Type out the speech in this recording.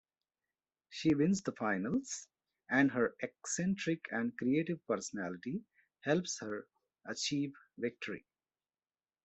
She wins the finals, and her eccentric and creative personality helps her achieve victory.